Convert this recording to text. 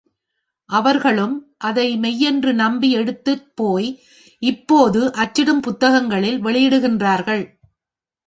அவர்களும் அதை மெய்யென்று நம்பி எடுத்துப்போய் இப்போது அச்சிடும் புத்தகங்களில் வெளியிடுகின்றார்கள்.